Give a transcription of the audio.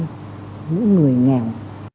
những người nghèo